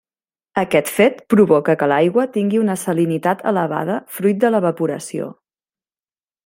Aquest fet provoca que l'aigua tingui una salinitat elevada fruit de l'evaporació.